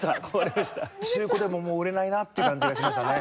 中古でももう売れないなっていう感じがしましたね。